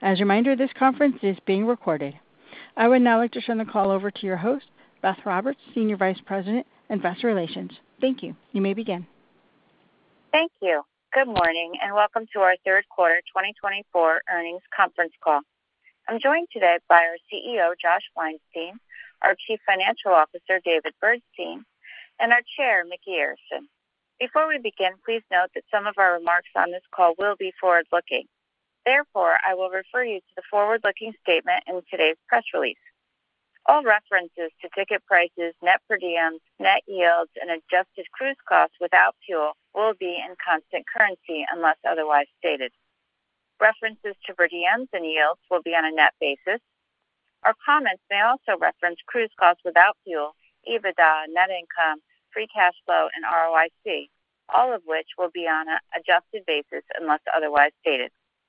As a reminder, this conference is being recorded. I would now like to turn the call over to your host, Beth Roberts, Senior Vice President, Investor Relations. Thank you. You may begin. Thank you. Good morning, and welcome to our third quarter 2024 earnings conference call. I'm joined today by our CEO, Josh Weinstein, our Chief Financial Officer, David Bernstein, and our Chair, Micky Arison. Before we begin, please note that some of our remarks on this call will be forward-looking. Therefore, I will refer you to the forward-looking statement in today's press release. All references to ticket prices, net per diems, net yields, and adjusted cruise costs without fuel will be in constant currency unless otherwise stated. References to per diems and yields will be on a net basis. Our comments may also reference cruise costs without fuel, EBITDA, net income, free cash flow, and ROIC, all of which will be on an adjusted basis unless otherwise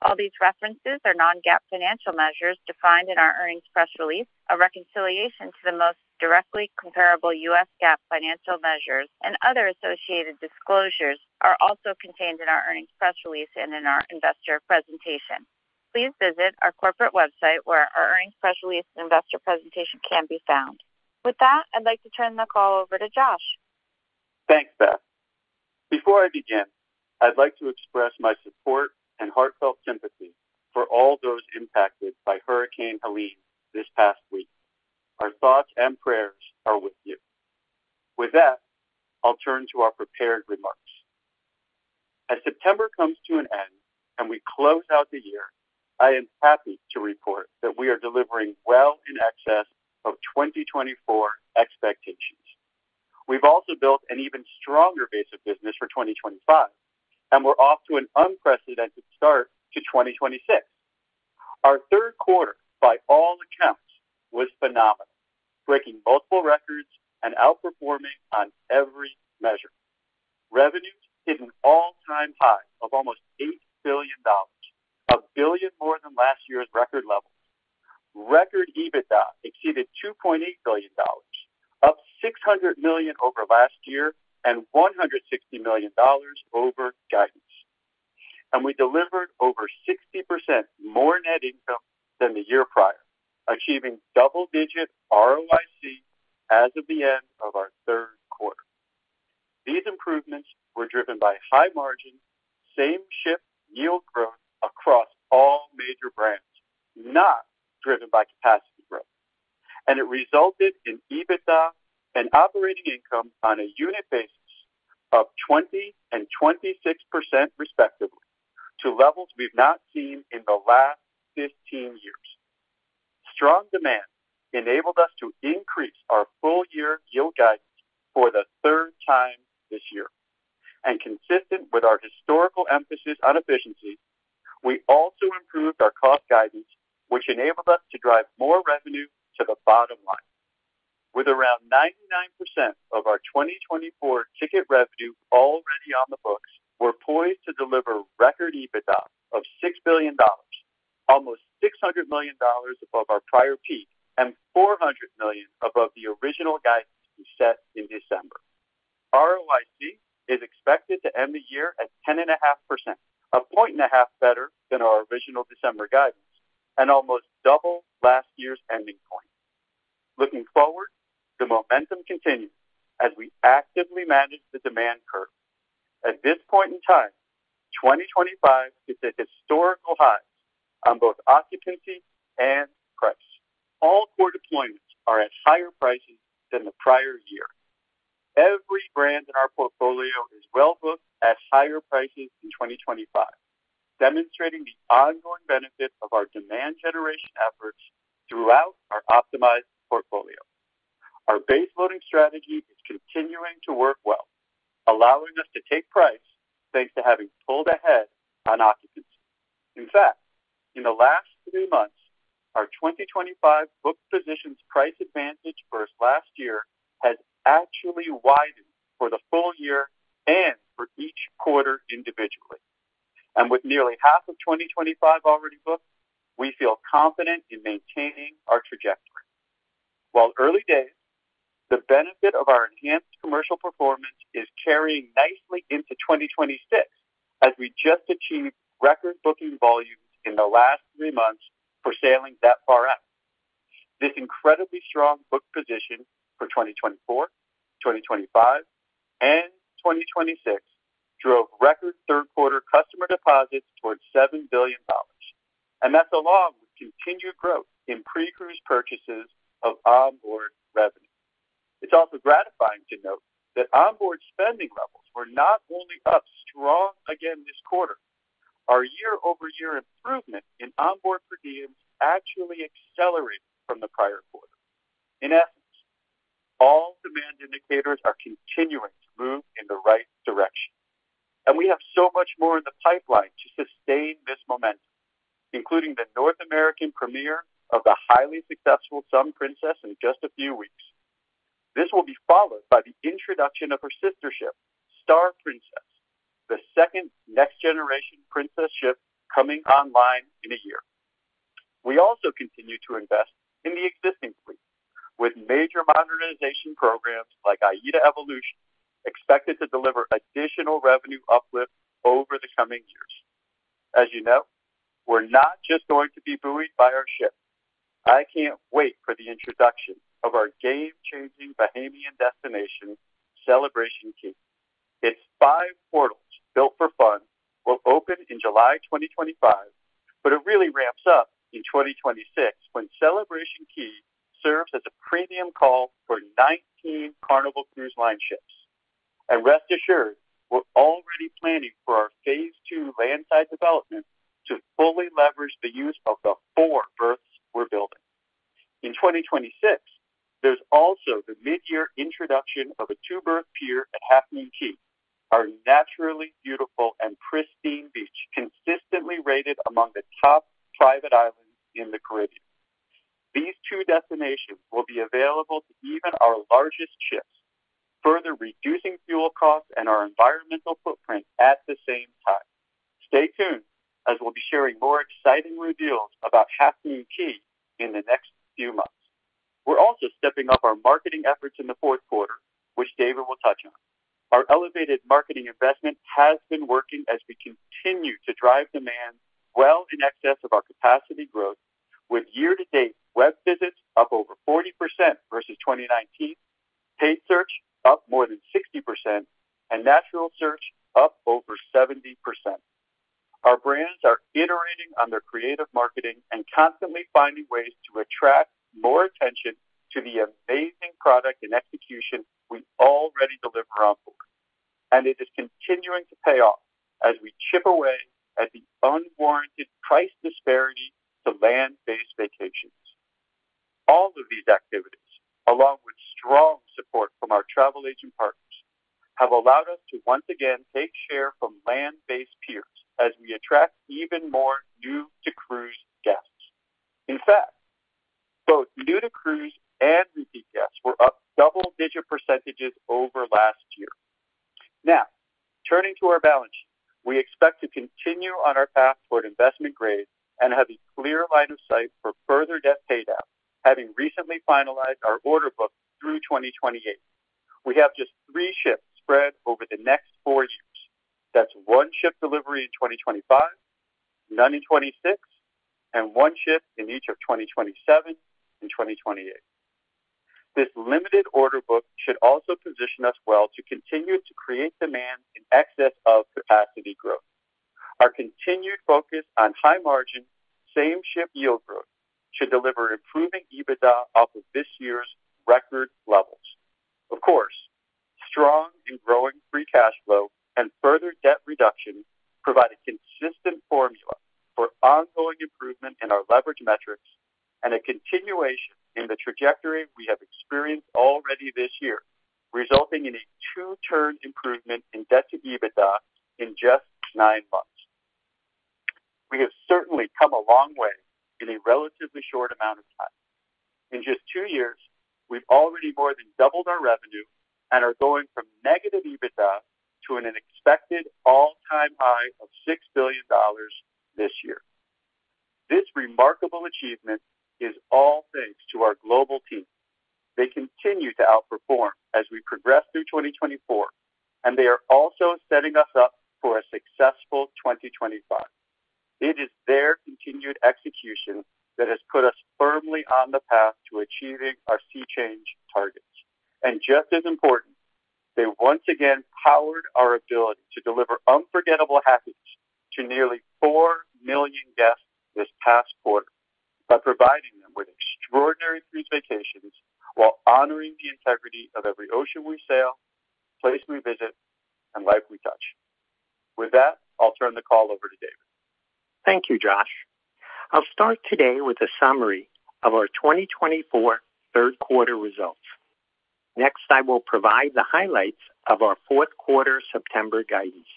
stated. All these references are non-GAAP financial measures defined in our earnings press release. A reconciliation to the most directly comparable U.S. GAAP financial measures and other associated disclosures are also contained in our earnings press release and in our investor presentation. Please visit our corporate website, where our earnings press release and investor presentation can be found. With that, I'd like to turn the call over to Josh. Thanks, Beth. Before I begin, I'd like to express my support and heartfelt sympathy for all those impacted by Hurricane Helene this past week. Our thoughts and prayers are with you. With that, I'll turn to our prepared remarks. As September comes to an end and we close out the year, I am happy to report that we are delivering well in excess of 2024 expectations. We've also built an even stronger base of business for 2025, and we're off to an unprecedented start to 2026. Our third quarter, by all accounts, was phenomenal, breaking multiple records and outperforming on every measure. Revenues hit an all-time high of almost $8 billion, $1 billion more than last year's record level. Record EBITDA exceeded $2.8 billion, up $600 million over last year and $160 million over guidance. We delivered over 60% more net income than the year prior, achieving double-digit ROIC as of the end of our third quarter. These improvements were driven by high margin, same-ship yield growth across all major brands, not driven by capacity growth. It resulted in EBITDA and operating income on a unit basis of 20% and 26%, respectively, to levels we've not seen in the last 15 years. Strong demand enabled us to increase our full-year yield guidance for the third time this year. Consistent with our historical emphasis on efficiency, we also improved our cost guidance, which enabled us to drive more revenue to the bottom line. With around 99% of our 2024 ticket revenue already on the books, we're poised to deliver record EBITDA of $6 billion, almost $600 million above our prior peak and $400 million above the original guidance we set in December. ROIC is expected to end the year at 10.5%, 1.5% points better than our original December guidance and almost double last year's ending point. Looking forward, the momentum continues as we actively manage the demand curve. At this point in time, 2025 is at historical highs on both occupancy and price. All core deployments are at higher prices than the prior year. Every brand in our portfolio is well-booked at higher prices in 2025, demonstrating the ongoing benefit of our demand generation efforts throughout our optimized portfolio. Our base loading strategy is continuing to work well, allowing us to take price thanks to having pulled ahead on occupancy. In fact, in the last three months, our 2025 booked position's price advantage versus last year has actually widened for the full year and for each quarter individually. And with nearly half of 2025 already booked, we feel confident in maintaining our trajectory. While early days, the benefit of our enhanced commercial performance is carrying nicely into 2026, as we just achieved record booking volumes in the last three months for sailing that far out. This incredibly strong booked position for 2024, 2025, and 2026 drove record third quarter customer deposits towards $7 billion, and that's along with continued growth in pre-cruise purchases of onboard revenue. It's also gratifying to note that onboard spending levels were not only up strong again this quarter. Our year-over-year improvement in onboard per diems actually accelerated from the prior quarter. In essence, all demand indicators are continuing to move in the right direction, and we have so much more in the pipeline to sustain this momentum, including the North American premiere of the highly successful Sun Princess in just a few weeks. This will be followed by the introduction of her sister ship, Star Princess, the second next-generation Princess ship coming online in a year. We also continue to invest in the existing fleet with major modernization programs like AIDA Evolution, expected to deliver additional revenue uplift over the coming years. As you know, we're not just going to be buoyed by our ship. I can't wait for the introduction of our game-changing Bahamian destination, Celebration Key. Its five portals, built for fun, will open in July 2025, but it really ramps up in 2026, when Celebration Key serves as a premium call for 19 Carnival Cruise Line ships, and rest assured, we're already planning for our phase two landside development to fully leverage the use of the four berths we're building. In 2026, there's also the midyear introduction of a two-berth pier at Half Moon Cay, our naturally beautiful and pristine beach, consistently rated among the top private islands in the Caribbean. These two destinations will be available to even our largest ships, further reducing fuel costs and our environmental footprint at the same time. Stay tuned, as we'll be sharing more exciting reveals about Half Moon Cay in the next few months. We're also stepping up our marketing efforts in the fourth quarter, which David will touch on. Our elevated marketing investment has been working as we continue to drive demand well in excess of our capacity growth, with year-to-date web visits up over 40% versus 2019, paid search up more than 60%, and natural search up over 70%. Our brands are iterating on their creative marketing and constantly finding ways to attract more attention to the amazing product and execution we already deliver on board, and it is continuing to pay off as we chip away at the unwarranted price disparity to land-based vacations. All of these activities, along with strong support from our travel agent partners, have allowed us to once again take share from land-based peers as we attract even more new-to-cruise guests. In fact, both new-to-cruise and repeat guests were up double-digit % over last year. Now, turning to our balance sheet. We expect to continue on our path toward investment grade and have a clear line of sight for further debt paydown, having recently finalized our order book through 2028. We have just three ships spread over the next four years. That's one ship delivery in 2025, none in 2026, and one ship in each of 2027 and 2028. This limited order book should also position us well to continue to create demand in excess of capacity growth. Our continued focus on high-margin, same-ship yield growth should deliver improving EBITDA off of this year's record levels. Of course, strong and growing free cash flow and further debt reduction provide a consistent formula for ongoing improvement in our leverage metrics and a continuation in the trajectory we have experienced already this year, resulting in a two-turn improvement in debt to EBITDA in just nine months. We have certainly come a long way in a relatively short amount of time. In just two years, we've already more than doubled our revenue and are going from negative EBITDA to an expected all-time high of $6 billion this year. This remarkable achievement is all thanks to our global team. They continue to outperform as we progress through 2024, and they are also setting us up for a successful 2025. It is their continued execution that has put us firmly on the path to achieving our SEA Change targets. And just as important, they once again powered our ability to deliver unforgettable happiness to nearly 4 million guests this past quarter by providing them with extraordinary cruise vacations while honoring the integrity of every ocean we sail, place we visit, and life we touch. With that, I'll turn the call over to David. Thank you, Josh. I'll start today with a summary of our 2024 third quarter results. Next, I will provide the highlights of our fourth quarter September guidance,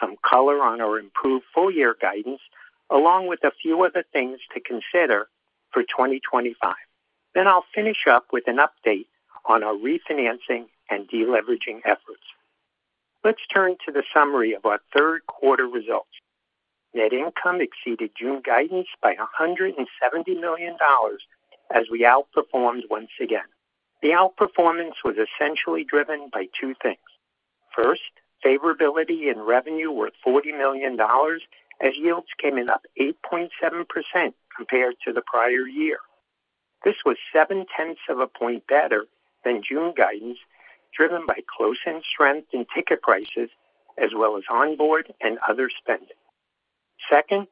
some color on our improved full-year guidance, along with a few other things to consider for 2025. Then I'll finish up with an update on our refinancing and deleveraging efforts. Let's turn to the summary of our third quarter results. Net income exceeded June guidance by $170 million as we outperformed once again. The outperformance was essentially driven by two things. First, favorability and revenue were $40 million, as yields came in up 8.7% compared to the prior year. This was seven-tenths of a point better than June guidance, driven by close-in strength in ticket prices, as well as onboard and other spending. Second,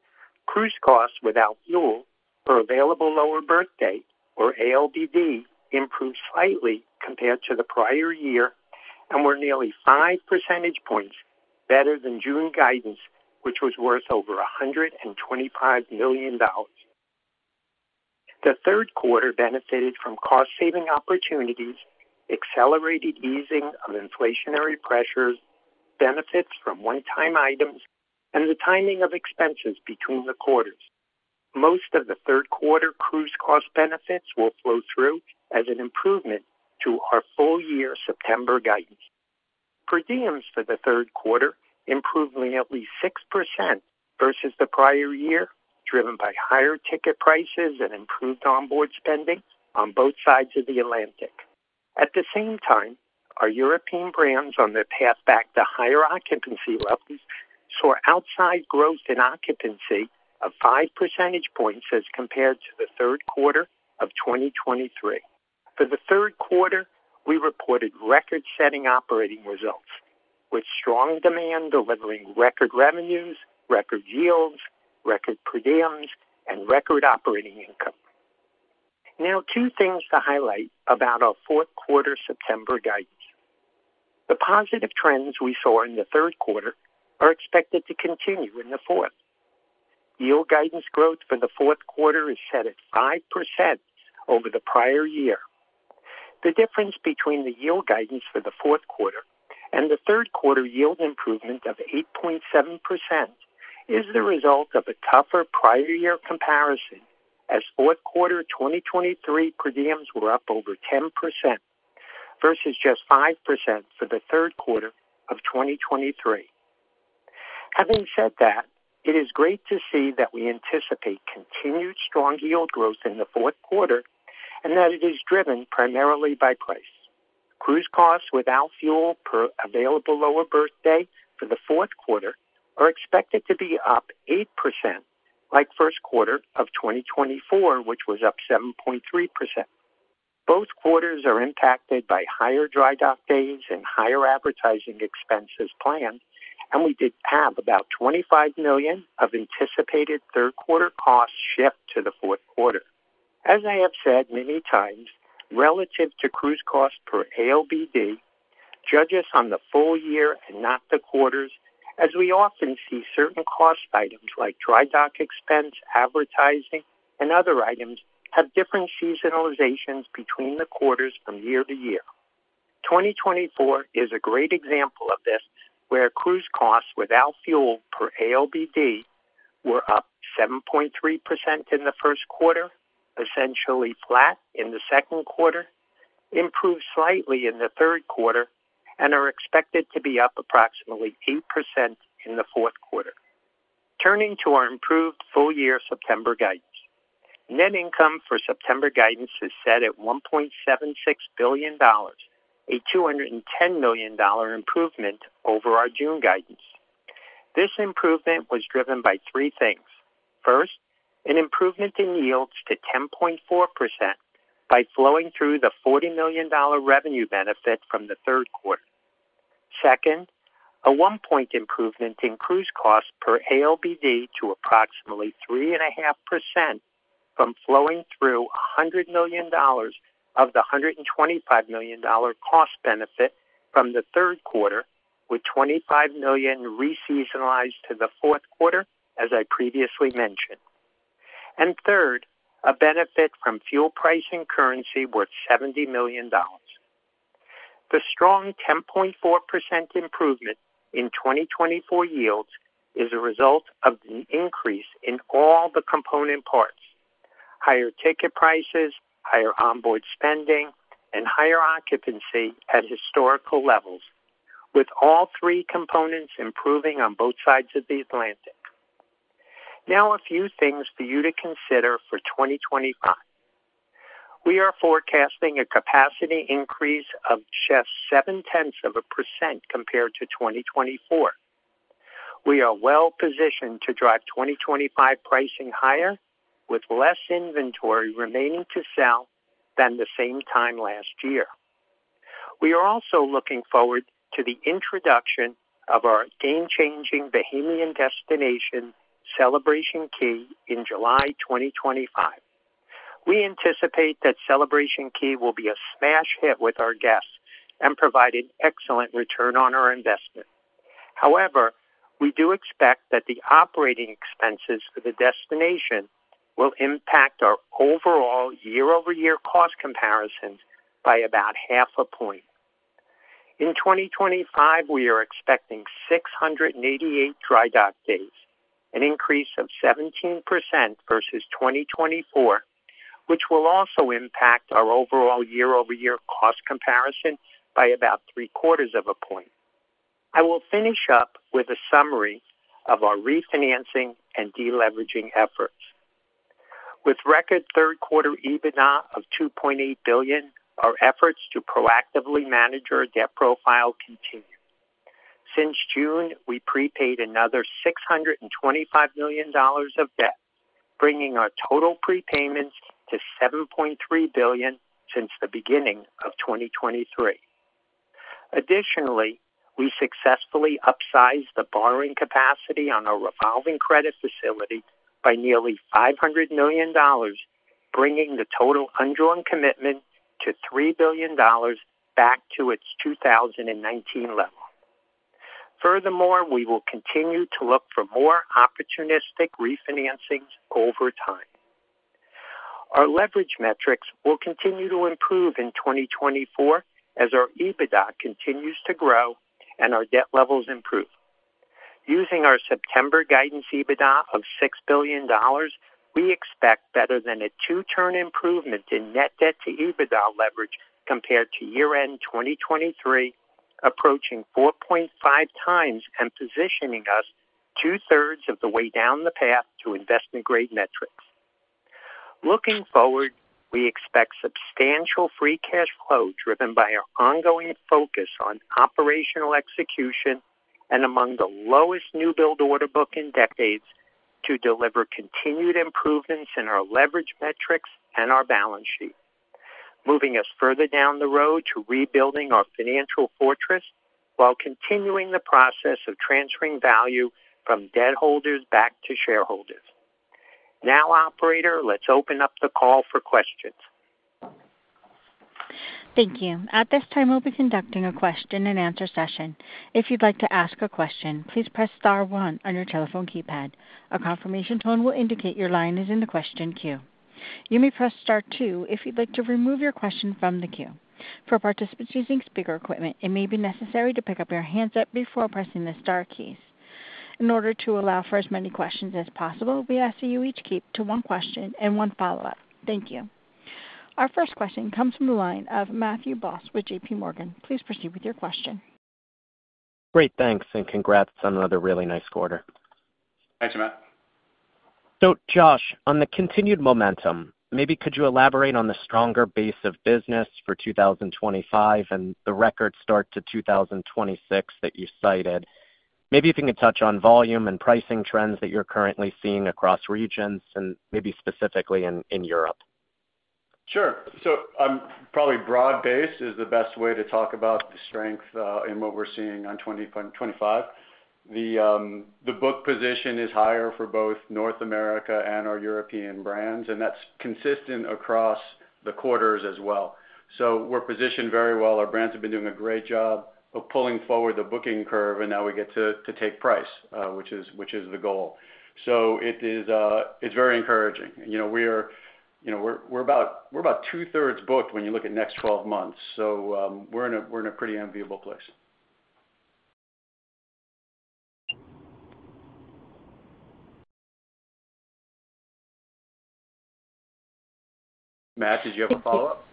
cruise costs without fuel for available lower berth day, or ALBD, improved slightly compared to the prior year and were nearly 5 percentage points better than June guidance, which was worth over $125 million. The third quarter benefited from cost-saving opportunities, accelerated easing of inflationary pressures, benefits from one-time items, and the timing of expenses between the quarters. Most of the third quarter cruise cost benefits will flow through as an improvement to our full-year September guidance... per diems for the third quarter improving at least 6% versus the prior year, driven by higher ticket prices and improved onboard spending on both sides of the Atlantic. At the same time, our European brands, on their path back to higher occupancy levels, saw solid growth in occupancy of 5 percentage points as compared to the third quarter of 2023. For the third quarter, we reported record-setting operating results, with strong demand delivering record revenues, record yields, record per diems, and record operating income. Now, two things to highlight about our fourth quarter September guidance. The positive trends we saw in the third quarter are expected to continue in the fourth. Yield guidance growth for the fourth quarter is set at 5% over the prior year. The difference between the yield guidance for the fourth quarter and the third quarter yield improvement of 8.7% is the result of a tougher prior year comparison, as fourth quarter 2023 per diems were up over 10% versus just 5% for the third quarter of 2023. Having said that, it is great to see that we anticipate continued strong yield growth in the fourth quarter and that it is driven primarily by price. Cruise costs without fuel per available lower berth day for the fourth quarter are expected to be up 8%, like first quarter of 2024, which was up 7.3%. Both quarters are impacted by higher dry-dock days and higher advertising expense as planned, and we did have about $25 million of anticipated third quarter costs shipped to the fourth quarter. As I have said many times, relative to cruise costs per ALBD, judge us on the full year and not the quarters, as we often see certain cost items like dry-dock expense, advertising, and other items have different seasonalizations between the quarters from year to year. 2024 is a great example of this, where cruise costs without fuel per ALBD were up 7.3% in the first quarter, essentially flat in the second quarter, improved slightly in the third quarter, and are expected to be up approximately 8% in the fourth quarter. Turning to our improved full-year September guidance. Net income for September guidance is set at $1.76 billion, a $210 million improvement over our June guidance. This improvement was driven by 3 things. 1st, an improvement in yields to 10.4% by flowing through the $40 million revenue benefit from the third quarter. 2nd, a one-point improvement in cruise costs per ALBD to approximately 3.5% from flowing through $100 million of the $125 million cost benefit from the third quarter, with $25 million reseasonalized to the fourth quarter, as I previously mentioned. And 3rd, a benefit from fuel price and currency worth $70 million. The strong 10.4% improvement in 2024 yields is a result of an increase in all the component parts: higher ticket prices, higher onboard spending, and higher occupancy at historical levels, with all three components improving on both sides of the Atlantic. Now, a few things for you to consider for 2025. We are forecasting a capacity increase of just 0.7% compared to 2024. We are well positioned to drive 2025 pricing higher, with less inventory remaining to sell than the same time last year. We are also looking forward to the introduction of our game-changing Bahamian destination, Celebration Key, in July twenty twenty-five. We anticipate that Celebration Key will be a smash hit with our guests and provide an excellent return on our investment. However, we do expect that the operating expenses for the destination will impact our overall year-over-year cost comparisons by about half a point. In 2025, we are expecting 688 dry-dock days, an increase of 17% versus 2024, which will also impact our overall year-over-year cost comparison by about three-quarters of a point. I will finish up with a summary of our refinancing and deleveraging efforts. With record third quarter EBITDA of $2.8 billion, our efforts to proactively manage our debt profile continue. Since June, we prepaid another $625 million of debt, bringing our total prepayments to $7.3 billion since the beginning of 2023. Additionally, we successfully upsized the borrowing capacity on our revolving credit facility by nearly $500 million, bringing the total undrawn commitment to $3 billion, back to its 2019 level. Furthermore, we will continue to look for more opportunistic refinancings over time. Our leverage metrics will continue to improve in 2024 as our EBITDA continues to grow and our debt levels improve. Using our September guidance EBITDA of $6 billion, we expect better than a two-turn improvement in net debt to EBITDA leverage compared to year-end 2023, approaching 4.5 times and positioning us two-thirds of the way down the path to investment-grade metrics. Looking forward, we expect substantial free cash flow, driven by our ongoing focus on operational execution and among the lowest new build order book in decades, to deliver continued improvements in our leverage metrics and our balance sheet, moving us further down the road to rebuilding our financial fortress while continuing the process of transferring value from debt holders back to shareholders. Now, operator, let's open up the call for questions. Thank you. At this time, we'll be conducting a question-and-answer session. If you'd like to ask a question, please press star one on your telephone keypad. A confirmation tone will indicate your line is in the question queue. You may press star two if you'd like to remove your question from the queue. For participants using speaker equipment, it may be necessary to pick up your handset before pressing the star keys. In order to allow for as many questions as possible, we ask that you each keep to one question and one follow-up. Thank you. Our 1st question comes from the line of Matthew Boss with JP Morgan. Please proceed with your question. Great, thanks, and congrats on another really nice quarter. Thanks, Matt. So Josh, on the continued momentum, maybe could you elaborate on the stronger base of business for 2025 and the record start to 2026 that you cited? Maybe if you could touch on volume and pricing trends that you're currently seeing across regions and maybe specifically in Europe? Sure. So, probably broad-based is the best way to talk about the strength in what we're seeing on 2025. The book position is higher for both North America and our European brands, and that's consistent across the quarters as well. So we're positioned very well. Our brands have been doing a great job of pulling forward the booking curve, and now we get to take price, which is the goal. So it is very encouraging. You know, we're about two-thirds booked when you look at next twelve months. So, we're in a pretty enviable place. Matt, did you have a follow-up?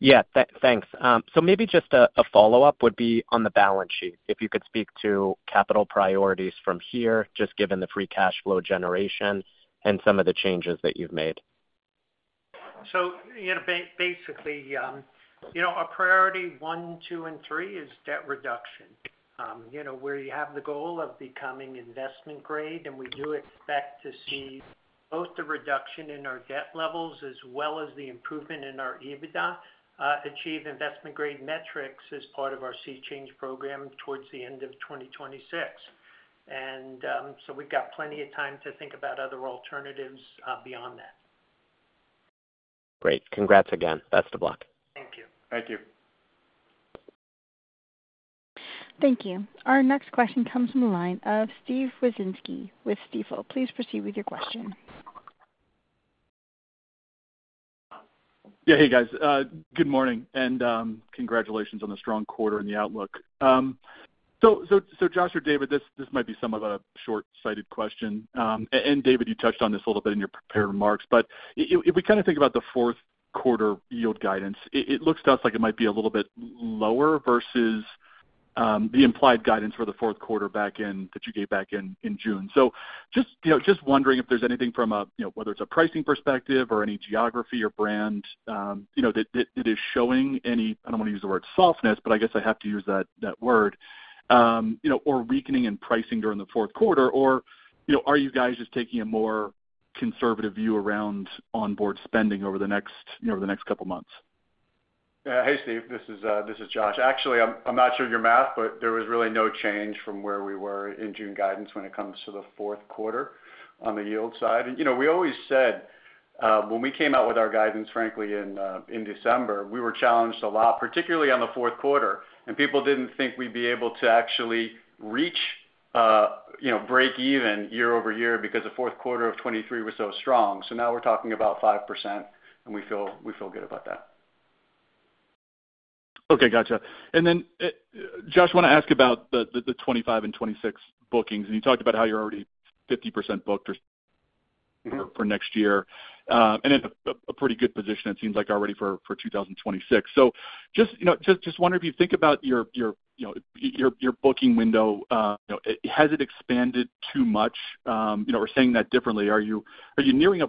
Yeah, thanks, so maybe just a follow-up would be on the balance sheet, if you could speak to capital priorities from here, just given the free cash flow generation and some of the changes that you've made. So, you know, basically, you know, our priority one, two, and three is debt reduction. You know, where you have the goal of becoming investment-grade, and we do expect to see both the reduction in our debt levels as well as the improvement in our EBITDA, achieve investment-grade metrics as part of our SEA Change program towards the end of 2026. And, so we've got plenty of time to think about other alternatives, beyond that. Great. Congrats again. Best of luck. Thank you. Thank you. Thank you. Our next question comes from the line of Steve Wieczynski with Stifel. Please proceed with your question. Yeah, hey, guys, good morning, and congratulations on the strong quarter and the outlook. So Josh or David, this might be some of a short-sighted question. And David, you touched on this a little bit in your prepared remarks, but if we kind of think about the fourth quarter yield guidance, it looks to us like it might be a little bit lower versus the implied guidance for the fourth quarter back in June that you gave back in June. So just, you know, just wondering if there's anything from a, you know, whether it's a pricing perspective or any geography or brand, you know, that it is showing any. I don't want to use the word softness, but I guess I have to use that word, you know, or weakening in pricing during the fourth quarter, or, you know, are you guys just taking a more conservative view around onboard spending over the next, you know, the next couple of months? Hey, Steve, this is Josh. Actually, I'm not sure of your math, but there was really no change from where we were in June guidance when it comes to the fourth quarter on the yield side. And, you know, we always said, when we came out with our guidance, frankly, in December, we were challenged a lot, particularly on the fourth quarter, and people didn't think we'd be able to actually reach, you know, breakeven year over year because the fourth quarter of 2023 was so strong. So now we're talking about 5%, and we feel good about that. Okay, gotcha. And then, Josh, want to ask about the 2025 and 2026 bookings. And you talked about how you're already 50% booked for next year, and in a pretty good position, it seems like, already for 2026. So just, you know, wondering if you think about your booking window, you know, has it expanded too much? You know, or saying that differently, are you nearing a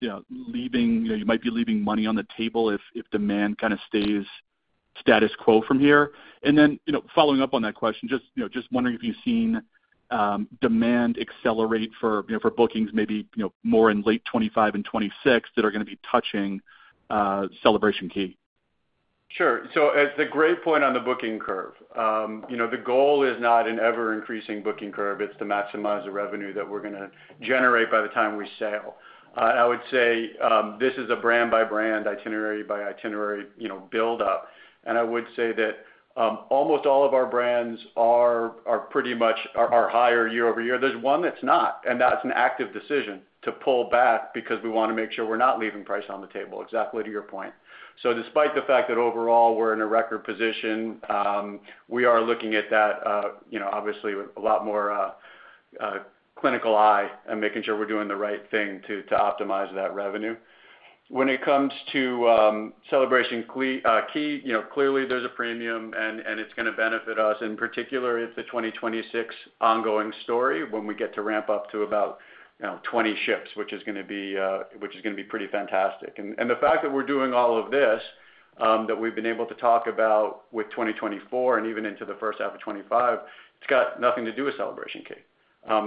point where you might start leaving money on the table if demand kind of stays status quo from here? Then, you know, following up on that question, just, you know, just wondering if you've seen demand accelerate for, you know, for bookings maybe, you know, more in late 2025 and 2026 that are gonna be touching Celebration Key. Sure. So, it's a great point on the booking curve. You know, the goal is not an ever-increasing booking curve, it's to maximize the revenue that we're gonna generate by the time we sail. I would say this is a brand-by-brand, itinerary-by-itinerary, you know, build-up. And I would say that almost all of our brands are pretty much higher year over year. There's one that's not, and that's an active decision to pull back because we want to make sure, we're not leaving price on the table, exactly to your point. So despite the fact that overall we're in a record position, we are looking at that, you know, obviously with a lot more clinical eye and making sure we're doing the right thing to optimize that revenue. When it comes to Celebration Key, you know, clearly there's a premium, and it's gonna benefit us. In particular, it's a 2026 ongoing story when we get to ramp up to about, you know, 20 ships, which is gonna be pretty fantastic. And the fact that we're doing all of this, that we've been able to talk about with 2024 and even into the first half of 2025, it's got nothing to do with Celebration Key.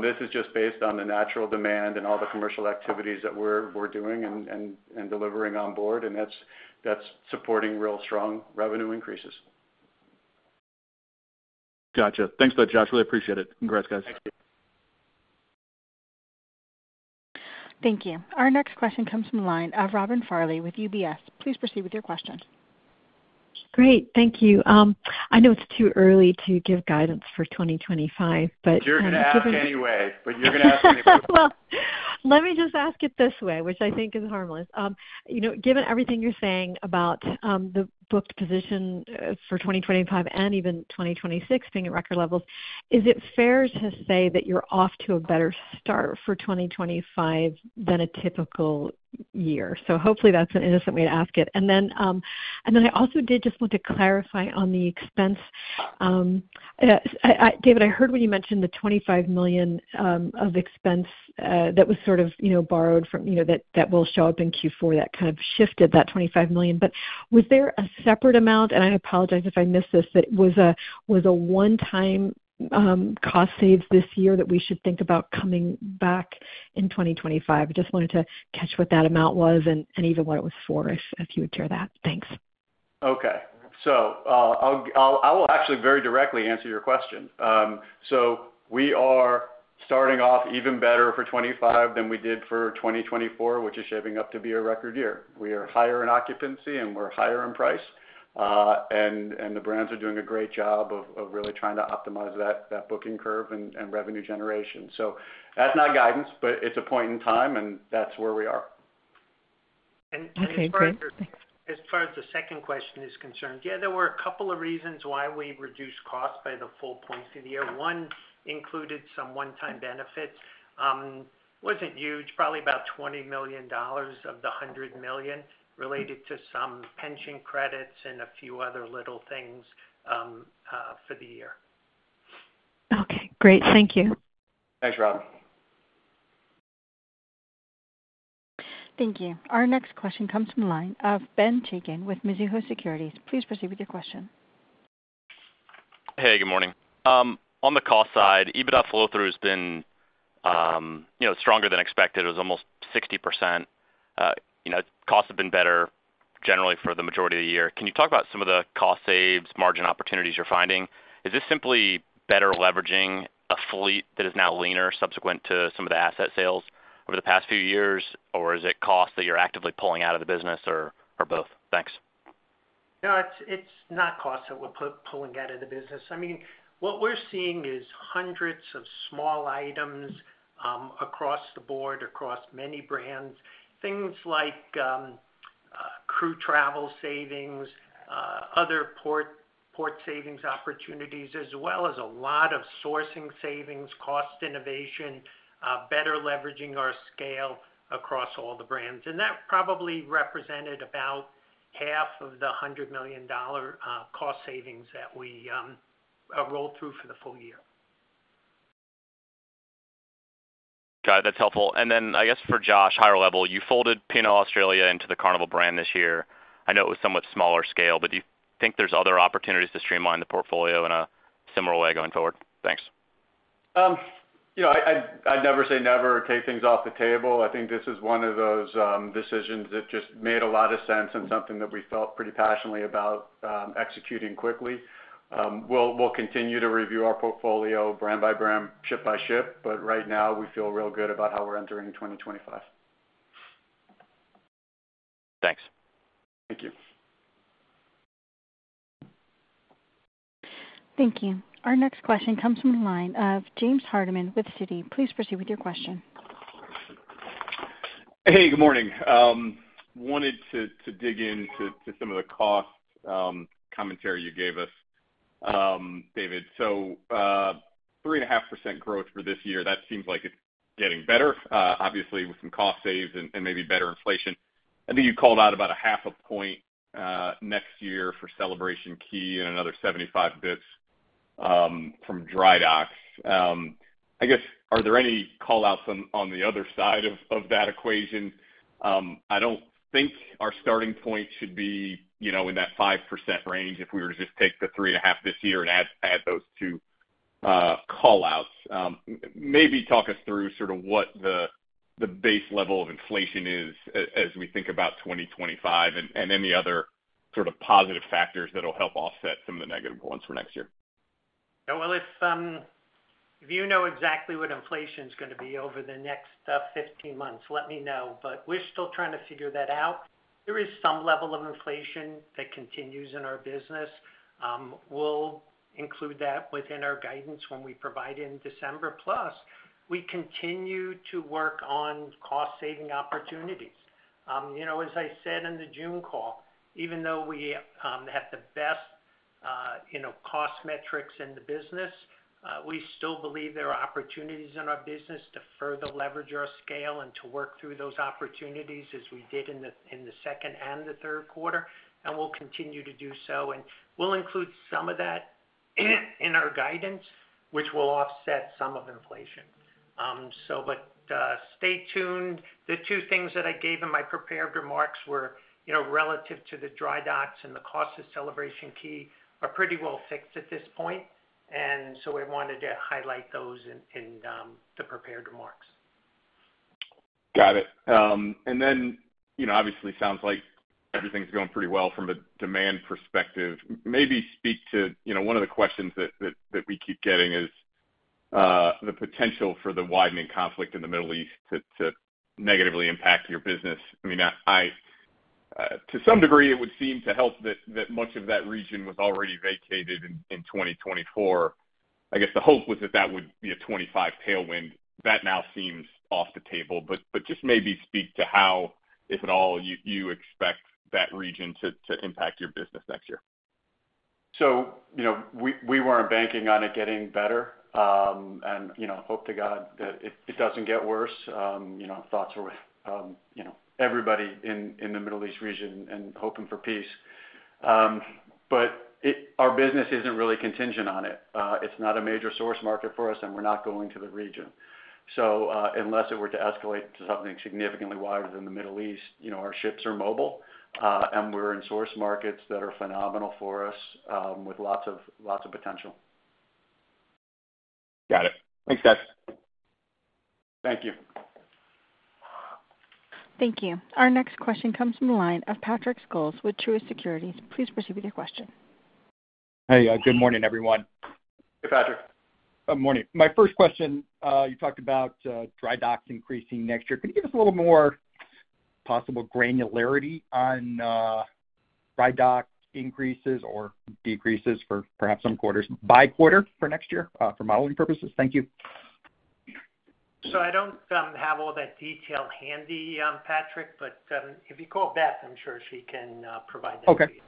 This is just based on the natural demand and all the commercial activities that we're doing and delivering on board, and that's supporting real strong revenue increases. Gotcha. Thanks for that, Josh. Really appreciate it. Congrats, guys. Thank you. Our next question comes from the line of Robin Farley with UBS. Please proceed with your question. Great. Thank you. I know it's too early to give guidance for 2025, but- You're gonna ask anyway, but you're gonna ask anyway. Let me just ask it this way, which I think is harmless. You know, given everything you're saying about the booked position for 2025 and even 2026 being at record levels, is it fair to say that you're off to a better start for 2025 than a typical year? Hopefully, that's an innocent way to ask it. I also did just want to clarify on the expense. David, I heard when you mentioned the $25 million of expense that was sort of you know, borrowed from, you know, that will show up in Q4. That kind of shifted that $25 million. But was there a separate amount, and I apologize if I missed this, that was a one-time cost savings this year, that we should think about coming back in 2025? I just wanted to catch what that amount was and even what it was for, if you would share that. Thanks. Okay. So, I'll actually very directly answer your question. So we are starting off even better for 2025 than we did for 2024, which is shaping up to be a record year. We are higher in occupancy, and we're higher in price, and the brands are doing a great job of really trying to optimize that booking curve and revenue generation. So that's not guidance, but it's a point in time, and that's where we are. Okay, great. As far as the second question is concerned, yeah, there were a couple of reasons why we reduced costs by the full points of the year. One included some one-time benefits. Wasn't huge, probably about $20 million of the $100 million, related to some pension credits and a few other little things, for the year. Okay, great. Thank you. Thanks, Robin. Thank you. Our next question comes from the line of Ben Chaiken with Mizuho Securities. Please proceed with your question. Hey, good morning. On the cost side, EBITDA flow-through has been, you know, stronger than expected. It was almost 60%. You know, costs have been better generally for the majority of the year. Can you talk about some of the cost saves, margin opportunities you're finding? Is this simply better leveraging a fleet that is now leaner, subsequent to some of the asset sales over the past few years, or is it costs that you're actively pulling out of the business or, or both? Thanks. No, it's not costs that we're pulling out of the business. I mean, what we're seeing is hundreds of small items across the board, across many brands. Things like crew travel savings, other port savings opportunities, as well as a lot of sourcing savings, cost innovation, better leveraging our scale across all the brands. And that probably represented about half of the $100 million cost savings that we rolled through for the full year. Got it. That's helpful. And then I guess for Josh, higher level, you folded P&O Australia into the Carnival brand this year. I know it was somewhat smaller scale, but do you think there's other opportunities to streamline the portfolio in a similar way going forward? Thanks. You know, I'd never say never take things off the table. I think this is one of those decisions that just made a lot of sense and something that we felt pretty passionately about executing quickly. We'll continue to review our portfolio brand by brand, ship by ship, but right now we feel real good about how we're entering 2025. Thanks. Thank you. Thank you. Our next question comes from the line of James Hardiman with Citi. Please proceed with your question. Hey, good morning. Wanted to dig into some of the cost commentary you gave us, David. So, 3.5% growth for this year, that seems like it's getting better, obviously with some cost saves and maybe better inflation. I think you called out about a half a point next year for Celebration Key and another 75 basis points from dry-docks. I guess, are there any call outs on the other side of that equation? I don't think our starting point should be, you know, in that 5% range if we were to just take the 3.5% this year and add those two call-outs. Maybe talk us through sort of what the base level of inflation is as we think about 2025 and any other sort of positive factors that will help offset some of the negative ones for next year? If you know exactly what inflation is gonna be over the next 15 months, let me know, but we're still trying to figure that out. There is some level of inflation that continues in our business. We'll include that within our guidance when we provide in December. Plus, we continue to work on cost-saving opportunities. You know, as I said in the June call, even though we have the best you know, cost metrics in the business. We still believe there are opportunities in our business to further leverage our scale and to work through those opportunities as we did in the second and the third quarter, and we'll continue to do so. And we'll include some of that in our guidance, which will offset some of inflation. So but, stay tuned. The two things that I gave in my prepared remarks were, you know, relative to the dry-docks and the cost of Celebration Key, are pretty well fixed at this point, and so I wanted to highlight those in the prepared remarks. Got it, and then, you know, obviously, sounds like everything's going pretty well from a demand perspective. Maybe speak to, you know, one of the questions that we keep getting is the potential for the widening conflict in the Middle East to negatively impact your business. I mean, to some degree, it would seem to help that much of that region was already vacated in 2024. I guess, the hope was that would be a 2025 tailwind. That now seems off the table, but just maybe speak to how, if at all, you expect that region to impact your business next year. So, you know, we weren't banking on it getting better, and, you know, hope to God that it doesn't get worse. You know, thoughts are with, you know, everybody in the Middle East region and hoping for peace. But it, our business isn't really contingent on it. It's not a major source market for us, and we're not going to the region. Unless it were to escalate to something significantly wider than the Middle East, you know, our ships are mobile, and we're in source markets that are phenomenal for us, with lots of potential. Got it. Thanks, guys. Thank you. Thank you. Our next question comes from the line of Patrick Scholes with Truist Securities. Please proceed with your question. Hey, good morning, everyone. Hey, Patrick. Good morning. My first question, you talked about dry-docks increasing next year. Can you give us a little more possible granularity on dry-dock increases or decreases for perhaps some quarters, by quarter for next year, for modeling purposes? Thank you. So, I don't have all that detail handy, Patrick, but if you call Beth, I'm sure she can provide that to you.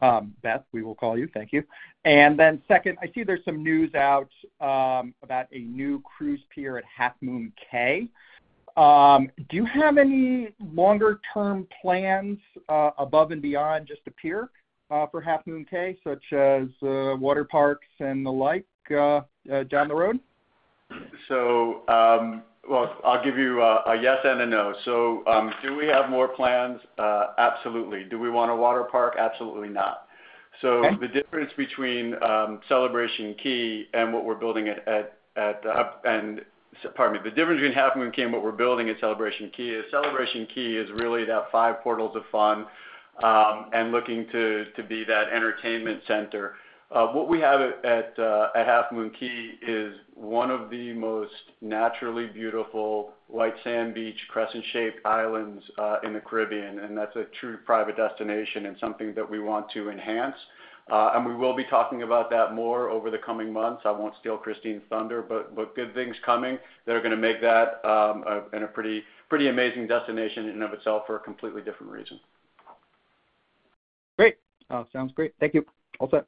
Okay. Beth, we will call you. Thank you. And then second, I see there's some news out about a new cruise pier at Half Moon Cay. Do you have any longer-term plans above and beyond just a pier for Half Moon Cay, such as water parks and the like down the road? So, well, I'll give you a yes and a no. So, do we have more plans? Absolutely. Do we want a water park? Absolutely not. Okay. The difference between Half Moon Cay and what we're building at Celebration Key is Celebration Key is really that five portals of fun, and looking to be that entertainment center. What we have at Half Moon Cay is one of the most naturally beautiful white sand beach, crescent-shaped islands in the Caribbean, and that's a true private destination and something that we want to enhance. We will be talking about that more over the coming months. I won't steal Christine's thunder, but good things coming that are gonna make that and a pretty amazing destination in and of itself for a completely different reason. Great! Sounds great. Thank you. All set.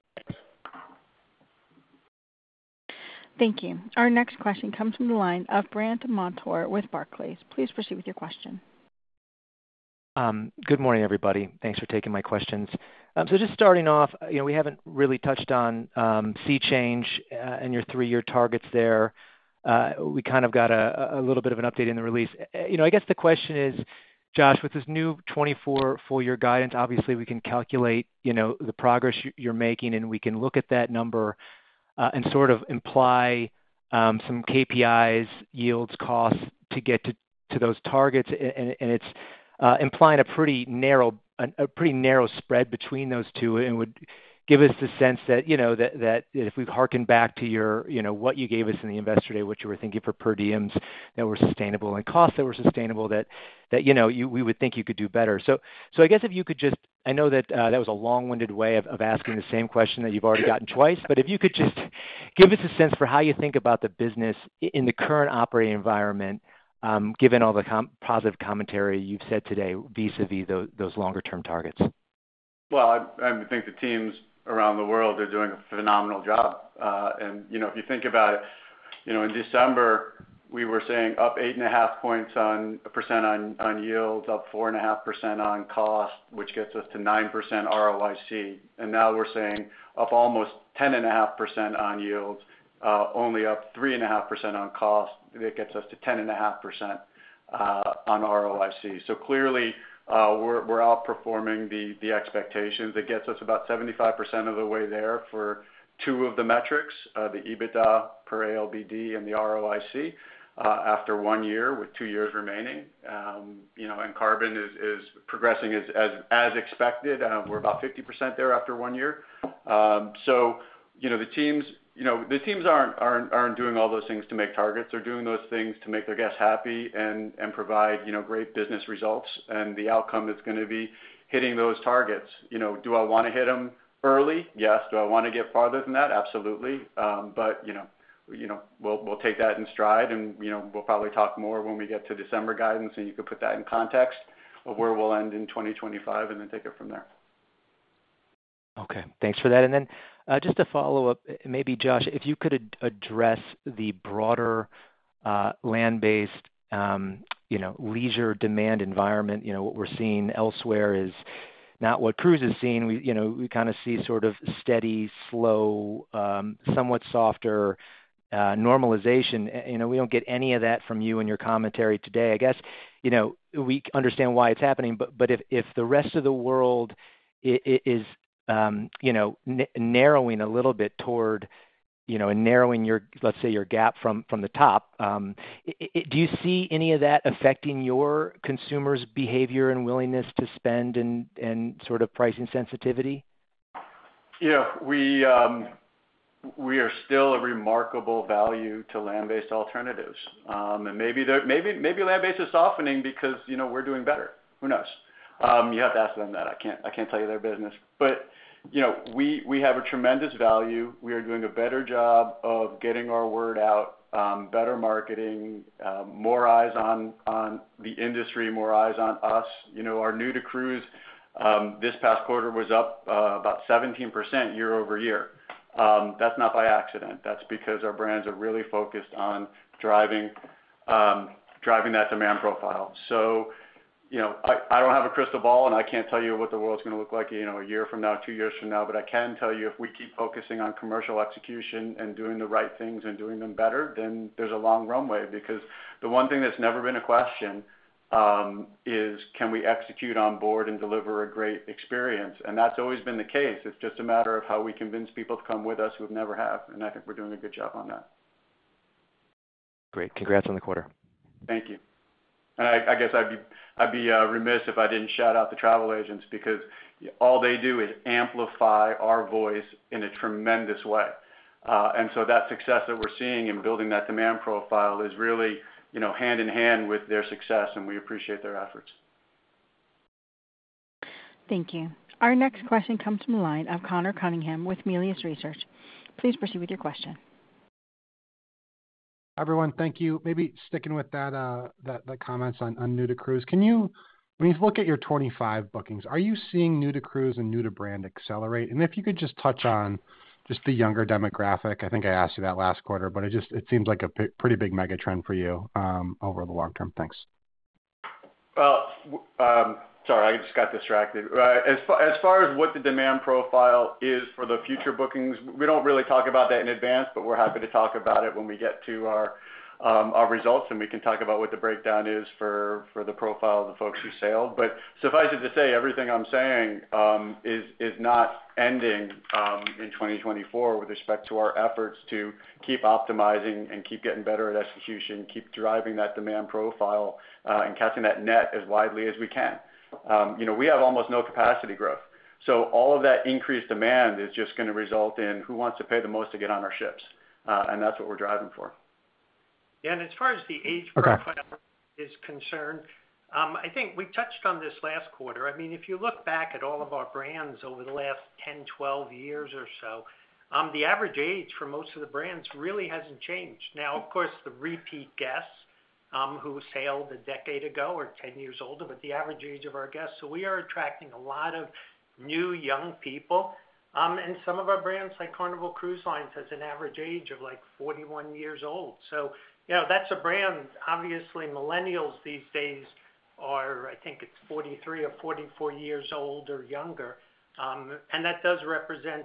Thank you. Our next question comes from the line of Brandt Montour with Barclays. Please proceed with your question. Good morning, everybody. Thanks for taking my questions. So just starting off, you know, we haven't really touched on SEA Change and your three-year targets there. We kind of got a little bit of an update in the release. You know, I guess the question is, Josh, with this new 2024 full year guidance, obviously, we can calculate, you know, the progress you're making, and we can look at that number and sort of imply some KPIs, yields, costs to get to those targets. It's implying a pretty narrow spread between those two and would give us the sense that, you know, if we harken back to your, you know, what you gave us in the Investor Day, what you were thinking for per diems that were sustainable and costs that were sustainable, you know, we would think you could do better. So, I guess if you could just. I know that that was a long-winded way of asking the same question that you've already gotten twice, but if you could just give us a sense for how you think about the business in the current operating environment, given all the positive commentary you've said today, vis-a-vis those longer-term targets. I think the teams around the world are doing a phenomenal job. You know, if you think about it, you know, in December, we were saying up 8.5% on yields, up 4.5% on cost, which gets us to 9% ROIC. Now we're saying up almost 10.5% on yields, only up 3.5% on cost. It gets us to 10.5% on ROIC. Clearly, we're outperforming the expectations. It gets us about 75% of the way there for two of the metrics, the EBITDA per ALBD and the ROIC, after one year, with two years remaining. You know, and carbon is progressing as expected. We're about 50% there after one year. So you know, the teams, you know, the teams aren't doing all those things to make targets. They're doing those things to make their guests happy and provide, you know, great business results, and the outcome is gonna be hitting those targets. You know, do I wanna hit them early? Yes. Do I wanna get farther than that? Absolutely. But, you know, we'll take that in stride, and, you know, we'll probably talk more when we get to December guidance, and you can put that in context of where we'll end in 2025 and then take it from there. Okay, thanks for that. And then, just to follow up, maybe Josh, if you could address the broader, land-based, you know, leisure demand environment. You know, what we're seeing elsewhere is not what Cruise is seeing. We, you know, we kind of see sort of steady, slow, somewhat softer, normalization. You know, we don't get any of that from you in your commentary today. I guess, you know, we understand why it's happening, but if the rest of the world is, you know, narrowing a little bit toward, you know, and narrowing your, let's say, your gap from the top, do you see any of that affecting your consumers' behavior and willingness to spend and sort of pricing sensitivity? Yeah, we are still a remarkable value to land-based alternatives. And maybe land-based is softening because, you know, we're doing better. Who knows? You have to ask them that. I can't tell you, their business. But, you know, we have a tremendous value. We are doing a better job of getting our word out, better marketing, more eyes on the industry, more eyes on us. You know, our new-to-cruise this past quarter was up about 17% year over year. That's not by accident. That's because our brands are really focused on driving that demand profile. So, you know, I don't have a crystal ball, and I can't tell you what the world's going to look like, you know, a year from now, two years from now. But I can tell you, if we keep focusing on commercial execution and doing the right things and doing them better, then there's a long runway. Because the one thing that's never been a question is, can we execute on board and deliver a great experience? And that's always been the case. It's just a matter of how we convince people to come with us who have never, and I think we're doing a good job on that. Great. Congrats on the quarter. Thank you. And I guess I'd be remiss if I didn't shout out the travel agents because all they do is amplify our voice in a tremendous way. And so that success that we're seeing in building that demand profile is really, you know, hand in hand with their success, and we appreciate their efforts. Thank you. Our next question comes from the line of Connor Cunningham with Melius Research. Please proceed with your question. Everyone, thank you. Maybe sticking with that, the comments on new-to-cruise. Can you, when you look at your 2025 bookings, are you seeing new-to-cruise and new to brand accelerate? And if you could just touch on just the younger demographic. I think I asked you that last quarter, but it just, it seems like a pretty big mega trend for you, over the long term. Thanks. Sorry, I just got distracted. As far as what the demand profile is for the future bookings, we don't really talk about that in advance, but we're happy to talk about it when we get to our results, and we can talk about what the breakdown is for the profile of the folks who sailed. Suffice it to say, everything I'm saying is not ending in 2024 with respect to our efforts to keep optimizing and keep getting better at execution, keep driving that demand profile, and catching that net as widely as we can. You know, we have almost no capacity growth, so all of that increased demand is just going to result in who wants to pay the most to get on our ships, and that's what we're driving for. And as far as the age profile. Okay... is concerned, I think we touched on this last quarter. I mean, if you look back at all of our brands over the last 10, 12 years or so, the average age for most of the brands really hasn't changed. Now, of course, the repeat guests, who sailed a decade ago are 10 years older, but the average age of our guests. So, we are attracting a lot of new, young people. And some of our brands, like Carnival Cruise Line, has an average age of, like, 41 years old. So you know, that's a brand. Obviously, millennials these days are, I think it's 43 or 44 years old or younger. And that does represent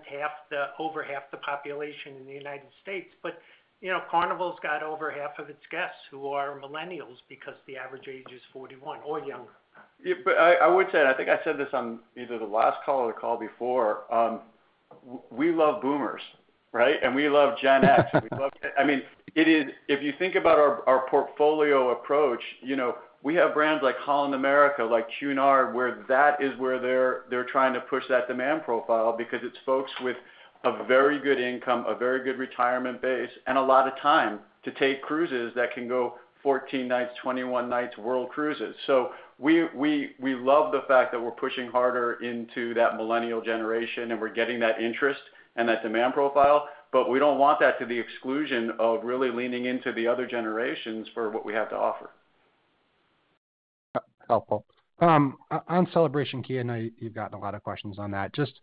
over half the population in the United States. You know, Carnival's got over half of its guests who are millennials because the average age is 41 or younger. Yeah, but I would say, and I think I said this on either the last call or the call before, we love boomers, right? And we love Gen X. We love... I mean, it is. If you think about our portfolio approach, you know, we have brands like Holland America, like Cunard, where that is where they're trying to push that demand profile because it's folks with a very good income, a very good retirement base, and a lot of time to take cruises that can go 14-nights, 21-nights world cruises. So we love the fact that we're pushing harder into that millennial generation, and we're getting that interest and that demand profile, but we don't want that to the exclusion of really leaning into the other generations for what we have to offer. Helpful. On Celebration Key, I know you've gotten a lot of questions on that. Just,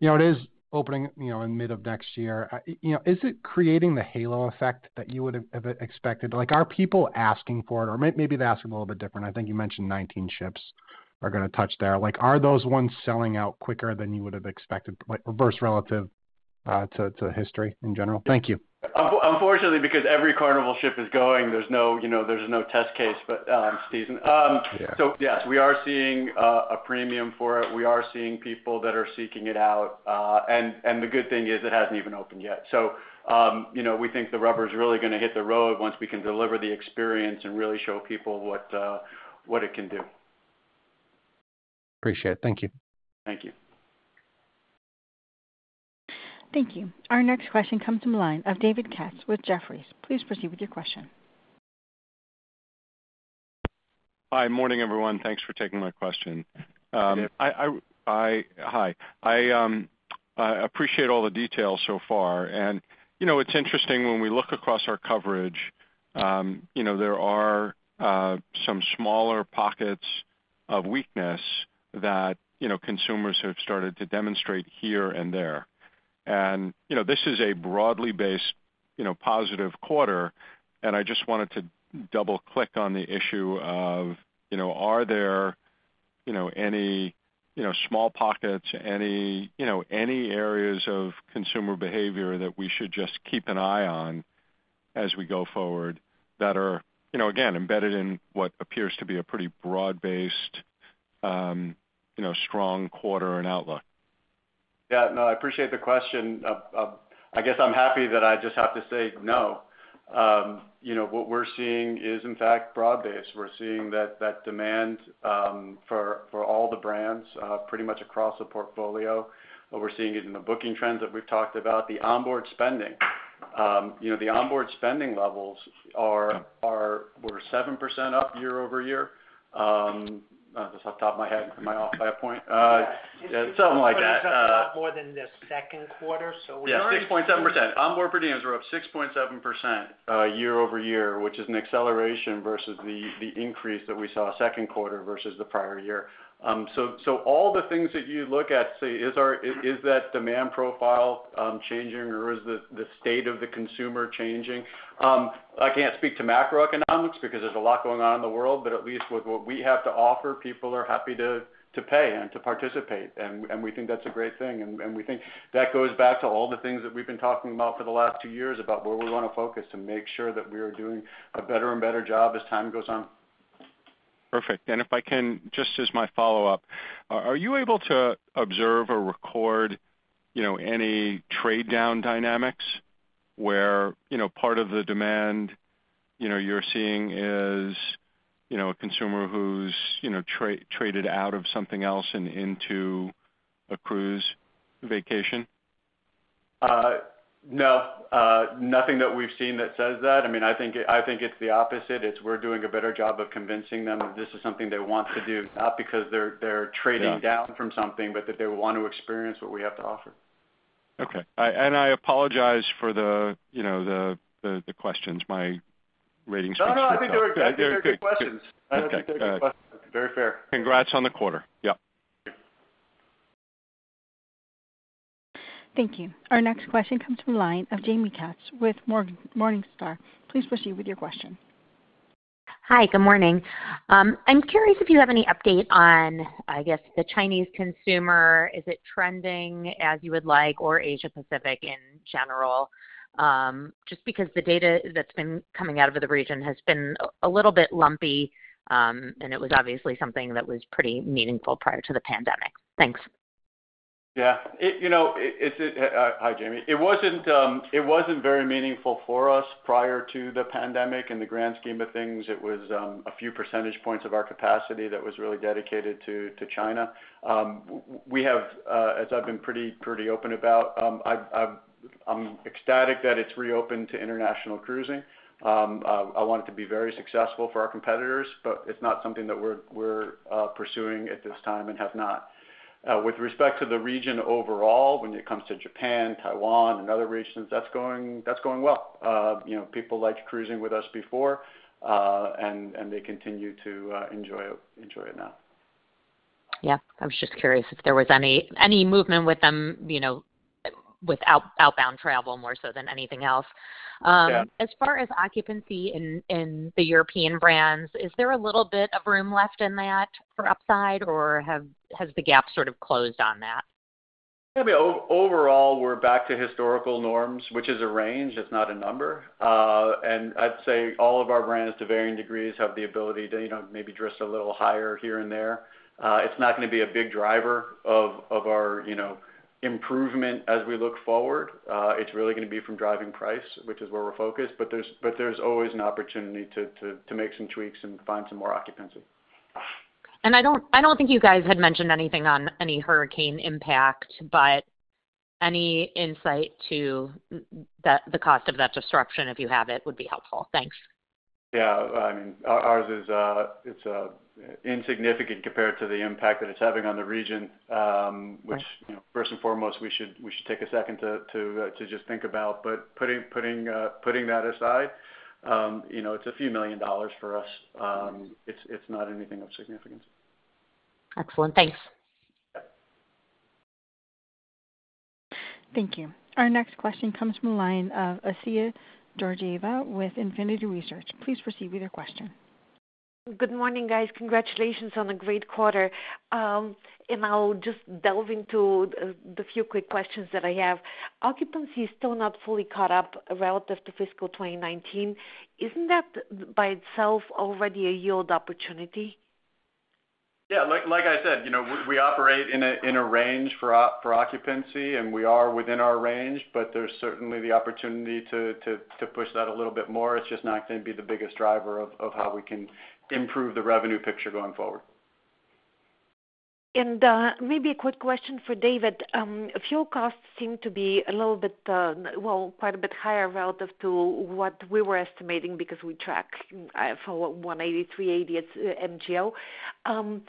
you know, it is opening, you know, in mid of next year. You know, is it creating the halo effect that you would have expected? Like, are people asking for it, or maybe they're asking a little bit different. I think you mentioned 19 ships are going to touch there. Like, are those ones selling out quicker than you would have expected, like, reverse relative to history in general? Thank you. Unfortunately, because every Carnival ship is going, there's no, you know, there's no test case, but season. Yeah. So yes, we are seeing a premium for it. We are seeing people that are seeking it out. And the good thing is, it hasn't even opened yet. So, you know, we think the rubber is really going to hit the road once we can deliver the experience and really show people what it can do. Appreciate it. Thank you. Thank you. Thank you. Our next question comes from the line of David Katz with Jefferies. Please proceed with your question. Hi, morning, everyone. Thanks for taking my question. Yeah. Hi, I... I appreciate all the details so far. And, you know, it's interesting when we look across our coverage, you know, there are some smaller pockets of weakness that, you know, consumers have started to demonstrate here and there. And, you know, this is a broadly based, you know, positive quarter, and I just wanted to double-click on the issue of, you know, are there, you know, any, you know, small pockets, any, you know, any areas of consumer behavior that we should just keep an eye on as we go forward that are, you know, again, embedded in what appears to be a pretty broad-based, you know, strong quarter and outlook? Yeah, no, I appreciate the question. I guess I'm happy that I just have to say no. You know, what we're seeing is, in fact, broad-based. We're seeing that demand for all the brands pretty much across the portfolio, but we're seeing it in the booking trends that we've talked about. The onboard spending. You know, the onboard spending levels are, we're 7% up year over year. Just off the top of my head, am I off by a point? Yeah, something like that. More than the second quarter. We're up 6.7% year over year, which is an acceleration versus the increase that we saw second quarter versus the prior year. So all the things that you look at, is that demand profile changing, or is the state of the consumer changing? I can't speak to macroeconomics because there's a lot going on in the world, but at least with what we have to offer, people are happy to pay and to participate, and we think that's a great thing. And we think that goes back to all the things that we've been talking about for the last two years, about where we want to focus and make sure that we are doing a better and better job as time goes on. Perfect. And if I can, just as my follow-up, are you able to observe or record, you know, any trade-down dynamics where, you know, part of the demand, you know, you're seeing is, you know, a consumer who's, you know, traded out of something else and into a cruise vacation? No, nothing that we've seen that says that. I mean, I think, I think it's the opposite. It's we're doing a better job of convincing them that this is something they want to do, not because they're trading down from something, but that they want to experience what we have to offer. Okay. I apologize for the, you know, the questions. My ratings- No, no, I think they're good questions. Okay. Very fair. Congrats on the quarter. Yep. Thank you. Our next question comes from the line of Jamie Katz with Morningstar. Please proceed with your question. Hi, good morning. I'm curious if you have any update on, I guess, the Chinese consumer. Is it trending as you would like, or Asia Pacific in general? Just because the data that's been coming out of the region has been a little bit lumpy, and it was obviously something that was pretty meaningful prior to the pandemic. Thanks. Yeah, you know, hi, Jamie. It wasn't very meaningful for us prior to the pandemic. In the grand scheme of things, it was a few percentage points of our capacity that was really dedicated to China. We have, as I've been pretty open about, I'm ecstatic that it's reopened to international cruising. I want it to be very successful for our competitors, but it's not something that we're pursuing at this time and have not. With respect to the region overall, when it comes to Japan, Taiwan, and other regions, that's going well. You know, people liked cruising with us before, and they continue to enjoy it now. Yeah, I was just curious if there was any movement with them, you know, with outbound travel more so than anything else. Yeah. As far as occupancy in the European brands, is there a little bit of room left in that for upside, or has the gap sort of closed on that? I mean, overall, we're back to historical norms, which is a range, it's not a number. And I'd say all of our brands, to varying degrees, have the ability to, you know, maybe drift a little higher here and there. It's not gonna be a big driver of our, you know, improvement as we look forward. It's really gonna be from driving price, which is where we're focused. But there's always an opportunity to make some tweaks and find some more occupancy. I don't think you guys had mentioned anything on any hurricane impact, but any insight to that, the cost of that disruption, if you have it, would be helpful. Thanks. Yeah. I mean, ours is insignificant compared to the impact that it's having on the region, which, you know, first and foremost, we should take a second to just think about. But putting that aside, you know, it's a few million dollars for us. It's not anything of significance. Excellent. Thanks. Yeah. Thank you. Our next question comes from the line of Assia Georgieva with Infinity Research. Please proceed with your question. Good morning, guys. Congratulations on a great quarter, and I'll just delve into the few quick questions that I have. Occupancy is still not fully caught up relative to fiscal 2019. Isn't that by itself already a yield opportunity? Yeah, like I said, you know, we operate in a range for occupancy, and we are within our range, but there's certainly the opportunity to push that a little bit more. It's just not going to be the biggest driver of how we can improve the revenue picture going forward. Maybe a quick question for David. Fuel costs seem to be a little bit, well, quite a bit higher relative to what we were estimating because we track for 180, IFO 380 and MGO.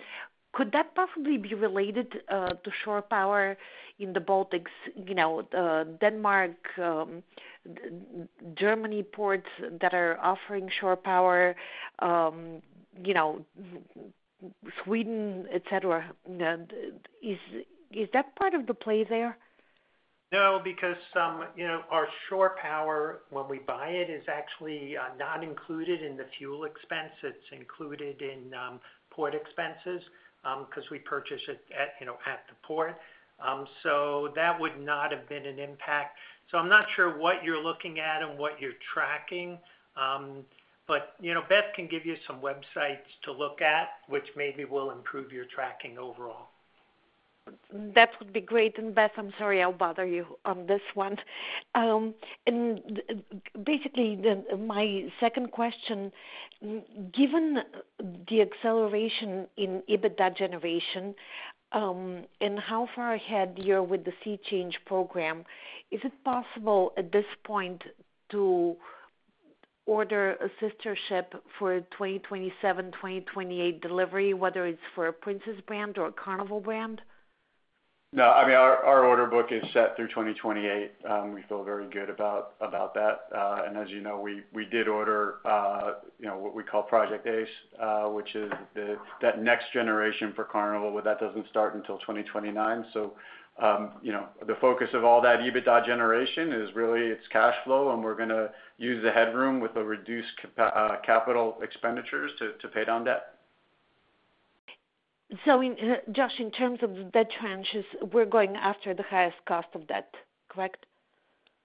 Could that possibly be related to shore power in the Baltics, you know, Denmark, Germany ports that are offering shore power, you know, Sweden, et cetera? Now, is that part of the play there? No, because some, you know, our shore power, when we buy it, is actually not included in the fuel expense. It's included in port expenses, 'cause we purchase it at, you know, at the port. So that would not have been an impact. So I'm not sure what you're looking at and what you're tracking, but, you know, Beth can give you some websites to look at, which maybe will improve your tracking overall. That would be great. And Beth, I'm sorry, I'll bother you on this one. And basically, then my 2nd question, given the acceleration in EBITDA generation, and how far ahead you're with the SEA Change program, is it possible at this point to order a sister ship for a 2027, 2028 delivery, whether it's for a Princess brand or a Carnival brand? No, I mean, our order book is set through 2028. We feel very good about that. And as you know, we did order, you know, what we call Project Ace, which is that next generation for Carnival, but that doesn't start until 2029. So, you know, the focus of all that EBITDA generation is really, it's cash flow, and we're gonna use the headroom with the reduced capital expenditures to pay down debt. So in, Josh, in terms of the debt tranches, we're going after the highest cost of debt, correct?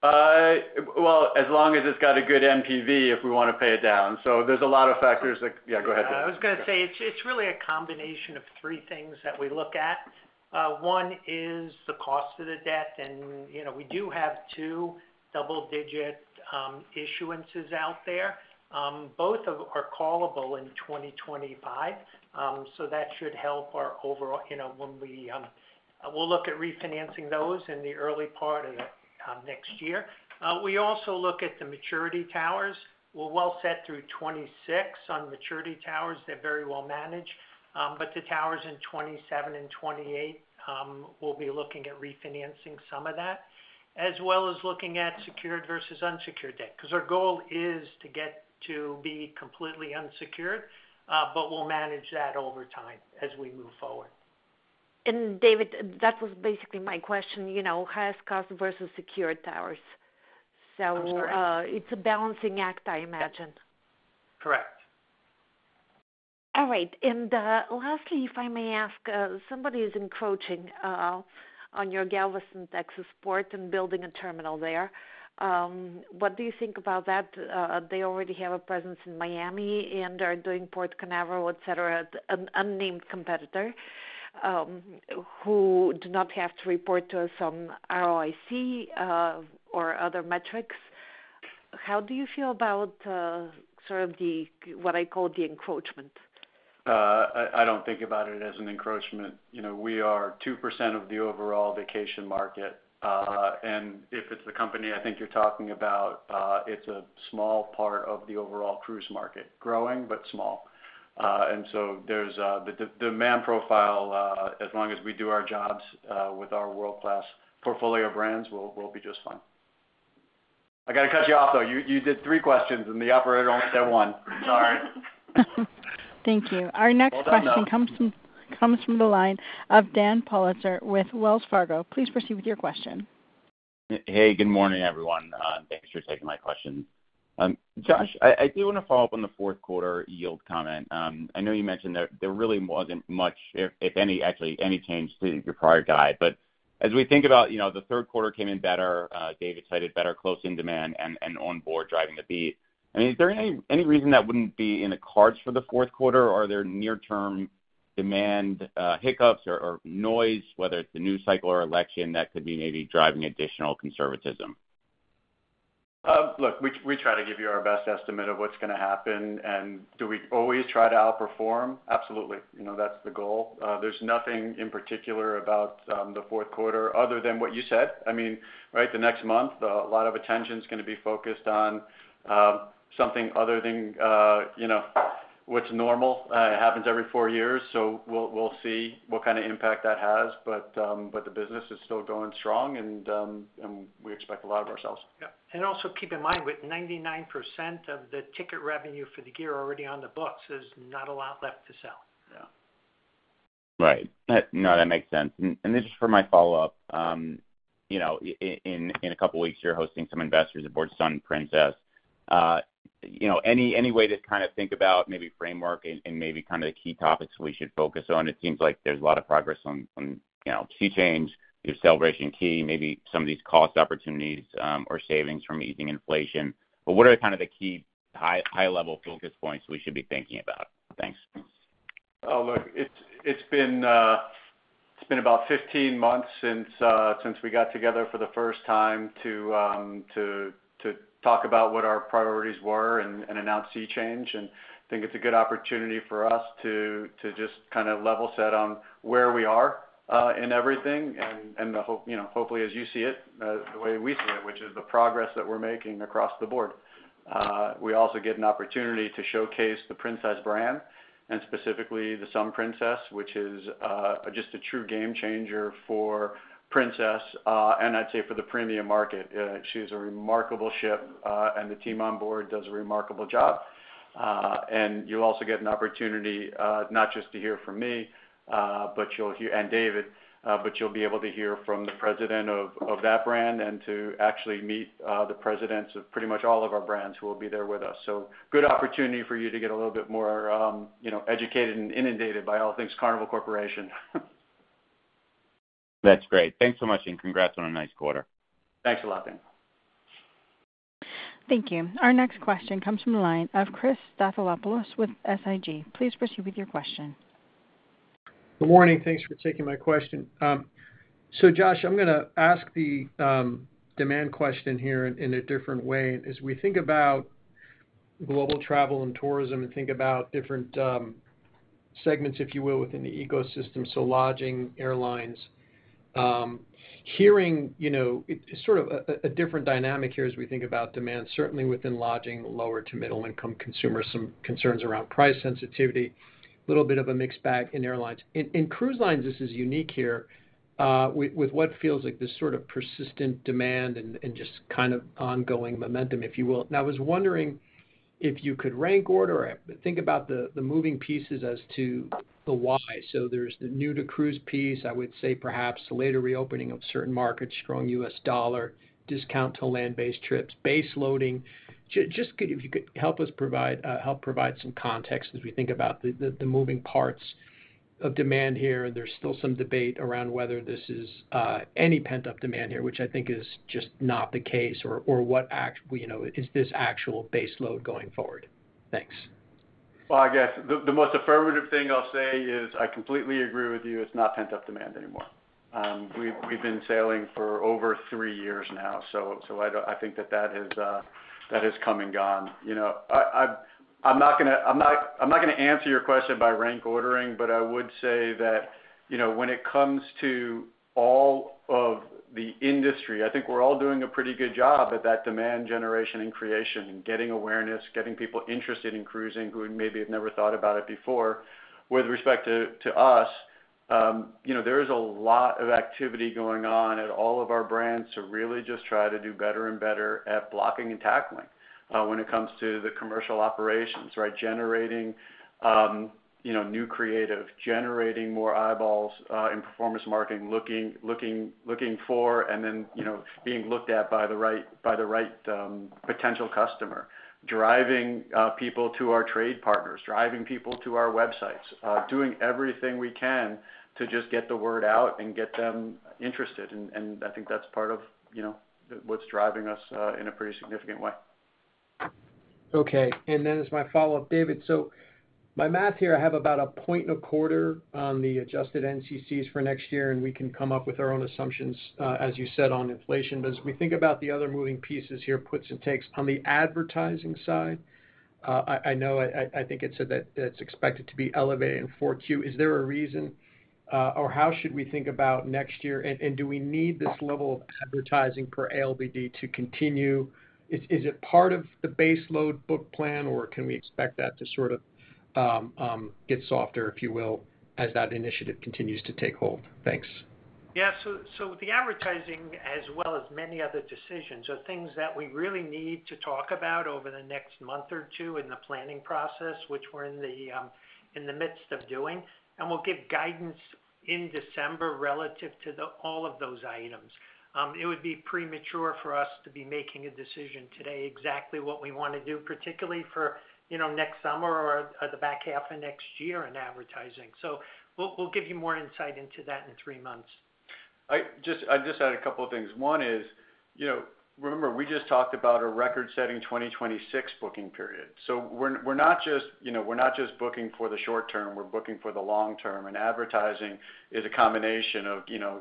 Well, as long as it's got a good NPV, if we want to pay it down. So there's a lot of factors that... Yeah, go ahead, David. I was gonna say, it's, it's really a combination of 3 things that we look at. One is the cost of the debt, and, you know, we do have two double-digit issuances out there. Both of them are callable in 2025, so that should help our overall, you know, when we... We'll look at refinancing those in the early part of next year. We also look at the maturity towers. We're well set through 2026 on maturity towers. They're very well managed. But the towers in 2027 and 2028, we'll be looking at refinancing some of that, as well as looking at secured versus unsecured debt. 'Cause our goal is to get to be completely unsecured, but we'll manage that over time as we move forward. And David, that was basically my question, you know, highest cost versus secured towers. [Understood.] So, it's a balancing act, I imagine. Correct. All right. And, lastly, if I may ask, somebody is encroaching on your Galveston, Texas, port and building a terminal there. What do you think about that? They already have a presence in Miami and are doing Port Canaveral, et cetera, an unnamed competitor, who do not have to report to some ROIC or other metrics. How do you feel about sort of the, what I call the encroachment? I don't think about it as an encroachment. You know, we are 2% of the overall vacation market. And if it's the company I think you're talking about, it's a small part of the overall Cruise Market. Growing, but small. And so there's the demand profile, as long as we do our jobs, with our world-class portfolio brands, we'll be just fine. I gotta cut you off, though. You did three questions, and the operator only said one. Sorry. Thank you. Well done, though. Our next question comes from the line of Dan Politzer with Wells Fargo. Please proceed with your question. Hey, good morning, everyone. Thanks for taking my questions. Josh, I do want to follow up on the fourth quarter yield comment. I know you mentioned there really wasn't much, if any, actually any change to your prior guide. But as we think about, you know, the third quarter came in better. David cited better closing demand and on board driving the beat. I mean, is there any reason that wouldn't be in the cards for the fourth quarter? Are there near-term demand hiccups or noise, whether it's the news cycle or election, that could be maybe driving additional conservatism? Look, we try to give you our best estimate of what's gonna happen. Do we always try to outperform? Absolutely. You know, that's the goal. There's nothing in particular about the fourth quarter other than what you said. I mean, right, the next month, a lot of attention is gonna be focused on something other than, you know, what's normal. It happens every four years, so we'll see what kind of impact that has. The business is still going strong, and we expect a lot of ourselves. Yeah. And also, keep in mind, with 99% of the ticket revenue for the year already on the books, there's not a lot left to sell. Yeah. Right. No, that makes sense. And this is for my follow-up. You know, in a couple of weeks, you're hosting some investors aboard Sun Princess. You know, any way to kind of think about maybe framework and maybe kind of the key topics we should focus on? It seems like there's a lot of progress on, you know, SEA Change, your Celebration Key, maybe some of these cost opportunities or savings from easing inflation. But what are kind of the key high-level focus points we should be thinking about? Thanks. Oh, look, it's been about 15 months since we got together for the first time to talk about what our priorities were and announce SEA Change. I think it's a good opportunity for us to just kind of level set on where we are in everything, and the hope, you know, hopefully, as you see it, the way we see it, which is the progress that we're making across the board. We also get an opportunity to showcase the Princess brand, and specifically, the Sun Princess, which is just a true game changer for Princess, and I'd say for the premium market. She's a remarkable ship, and the team on board does a remarkable job. You'll also get an opportunity, not just to hear from me, but you'll be able to hear from the president of that brand and to actually meet the presidents of pretty much all of our brands who will be there with us. So good opportunity for you to get a little bit more, you know, educated and inundated by all things Carnival Corporation. That's great. Thanks so much, and congrats on a nice quarter. Thanks a lot, Ben. Thank you. Our next question comes from the line of Chris Stathoulopoulos with SIG. Please proceed with your question. Good morning. Thanks for taking my question. So Josh, I'm gonna ask the demand question here in a different way. As we think about global travel and tourism and think about different segments, if you will, within the ecosystem, so Lodging, Airlines, here in, you know, sort of a different dynamic here as we think about demand, certainly within Lodging, lower to middle-income consumers, some concerns around price sensitivity, little bit of a mixed bag in Airlines. In Cruise lines, this is unique here, with what feels like this sort of persistent demand and just kind of ongoing momentum, if you will. Now, I was wondering if you could rank order or think about the moving pieces as to the why. So there's the new-to-cruise piece, I would say perhaps the later reopening of certain markets, strong U.S. dollar discount to land-based trips, base loading. Just if you could help us provide some context as we think about the moving parts of demand here. There's still some debate around whether this is any pent-up demand here, which I think is just not the case, or what actually, you know, is this actual base load going forward? Thanks. Well, I guess the most affirmative thing I'll say is I completely agree with you, it's not pent-up demand anymore. We've been sailing for over three years now, so I don't... I think that that has come and gone. You know, I, I'm not gonna answer your question by rank ordering, but I would say that, you know, when it comes to all of the industry, I think we're all doing a pretty good job at that demand generation and creation and getting awareness, getting people interested in cruising who maybe have never thought about it before. With respect to us, you know, there is a lot of activity going on at all of our brands to really just try to do better and better at blocking and tackling when it comes to the commercial operations, right? Generating, you know, new creative, generating more eyeballs in performance marketing, looking for and then, you know, being looked at by the right potential customer. Driving people to our trade partners, driving people to our websites, doing everything we can to just get the word out and get them interested, and I think that's part of, you know, what's driving us in a pretty significant way. Okay, and then as my follow-up, David, so my math here, I have about a point and a quarter on the adjusted NCCs for next year, and we can come up with our own assumptions, as you said, on inflation. But as we think about the other moving pieces here, puts and takes, on the advertising side, I know, I think it said that it's expected to be elevated in 4Q. Is there a reason, or how should we think about next year? And do we need this level of advertising per ALBD to continue? Is it part of the base load book plan, or can we expect that to sort of get softer, if you will, as that initiative continues to take hold? Thanks. Yeah, so the advertising, as well as many other decisions, are things that we really need to talk about over the next month or two in the planning process, which we're in the midst of doing, and we'll give guidance in December relative to all of those items. It would be premature for us to be making a decision today, exactly what we wanna do, particularly for, you know, next summer or the back half of next year in advertising. So we'll give you more insight into that in three months. I just... I'll just add a couple of things. One is, you know, remember, we just talked about a record-setting 2026 booking period. So we're not just, you know, we're not just booking for the short term, we're booking for the long term, and advertising is a combination of, you know,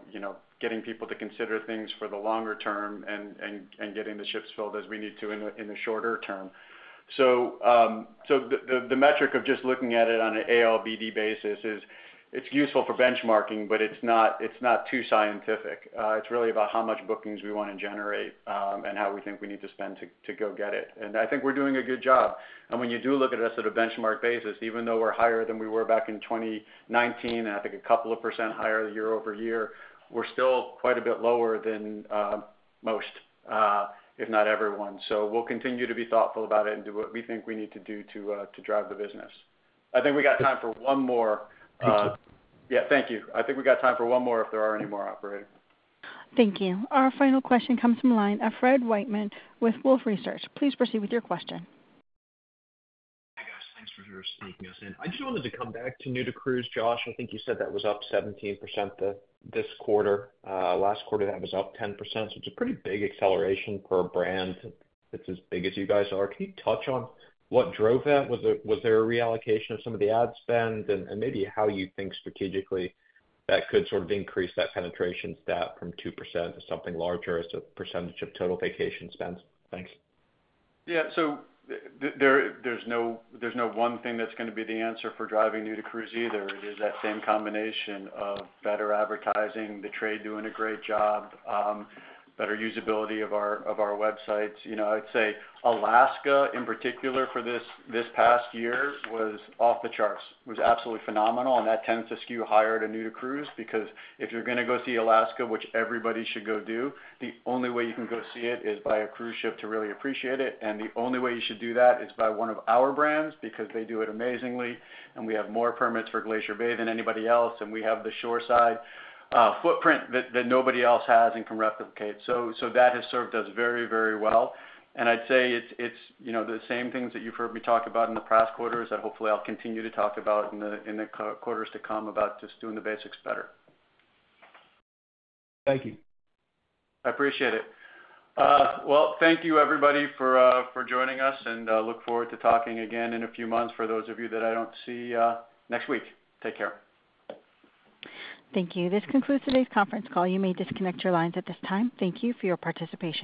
getting people to consider things for the longer term and getting the ships filled as we need to in the shorter term. So the metric of just looking at it on an ALBD basis is useful for benchmarking, but it's not too scientific. It's really about how much bookings we wanna generate and how we think we need to spend to go get it. And I think we're doing a good job. And when you do look at us on a benchmark basis, even though we're higher than we were back in 2019, and I think a couple of percent higher year over year, we're still quite a bit lower than most, if not everyone. So we'll continue to be thoughtful about it and do what we think we need to do to drive the business. I think we got time for one more. Thank you. Yeah, thank you. I think we got time for one more, if there are any more, operator. Thank you. Our final question comes from the line of Fred Wightman with Wolfe Research. Please proceed with your question. Hi, guys. Thanks for sneaking us in. I just wanted to come back to new-to-cruise. Josh, I think you said that was up 17% this quarter. Last quarter, that was up 10%, so it's a pretty big acceleration for a brand that's as big as you guys are. Can you touch on what drove that? Was there a reallocation of some of the ad spend? And maybe how you think strategically that could sort of increase that penetration stat from 2% to something larger as a percentage of total vacation spends. Thanks. Yeah, so there's no one thing that's gonna be the answer for driving new-to-cruise either. It is that same combination of better advertising, the trade doing a great job, better usability of our websites. You know, I'd say Alaska, in particular, for this past year, was off the charts, was absolutely phenomenal, and that tends to skew higher to new-to-cruise, because if you're gonna go see Alaska, which everybody should go do, the only way you can go see it is by a cruise ship to really appreciate it. And the only way you should do that is by one of our brands, because they do it amazingly, and we have more permits for Glacier Bay than anybody else, and we have the shore side footprint that nobody else has and can replicate. That has served us very, very well. I'd say it's, you know, the same things that you've heard me talk about in the past quarters, that hopefully I'll continue to talk about in the coming quarters to come, about just doing the basics better. Thank you. I appreciate it. Well, thank you, everybody, for joining us, and look forward to talking again in a few months for those of you that I don't see next week. Take care. Thank you. This concludes today's conference call. You may disconnect your lines at this time. Thank you for your participation.